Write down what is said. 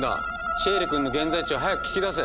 シエリ君の現在地を早く聞き出せ！